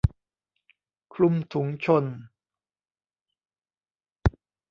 คลุมถุงชน